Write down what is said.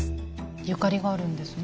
ゆかりがあるんですね。